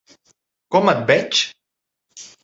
Com et veig?